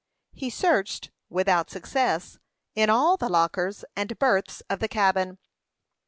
He searched, without success, in all the lockers and berths of the cabin.